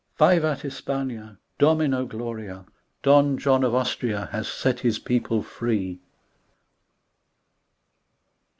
Vivat Hispania I Domino Gloria I Don John of Austria Has set his people free